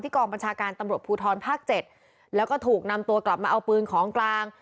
กองบัญชาการตำรวจภูทรภาค๗แล้วก็ถูกนำตัวกลับมาเอาปืนของกลาง